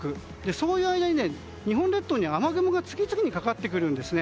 その間に日本列島に雨雲が次々にかかってくるんですね。